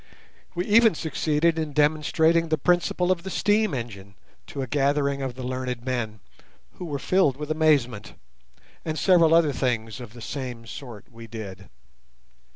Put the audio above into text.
We even succeeded in demonstrating the principle of the steam engine to a gathering of the learned men, who were filled with amazement; and several other things of the same sort we did.